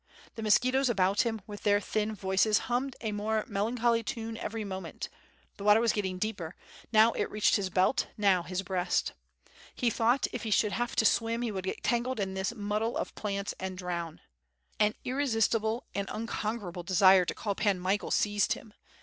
The mosquitoes about him, with their thin voices, hummed a more melan V^ITH FIRE AND 8W0RD, ygt choly tune every moment, the water was getting deeper, now it reached his belt, now his breast. lie thought if he should have to swim, he would get tangled in this muddle of plants, and drown. Again am irresistible and unconquerable desire to call Pan Michael seized him.